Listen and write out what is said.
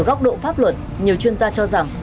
ở góc độ pháp luật nhiều chuyên gia cho rằng